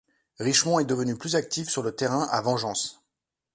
Richmond est devenu plus actif sur le terrain à Vengeance.